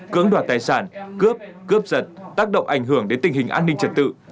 cưỡng đoạt tài sản cướp cướp giật tác động ảnh hưởng đến tình hình an ninh trật tự